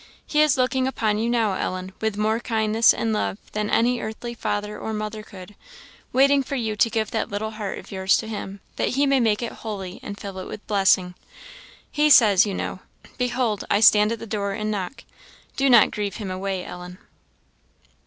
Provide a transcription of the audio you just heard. He is looking upon you now, Ellen, with more kindness and love than any earthly father or mother could, waiting for you to give that little heart of yours to him, that he may make it holy, and fill it with blessing. He says, you know, 'Behold, I stand at the door and knock.' Do not grieve him away, Ellen."